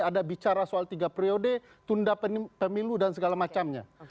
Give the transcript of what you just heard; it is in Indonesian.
ada bicara soal tiga periode tunda pemilu dan segala macamnya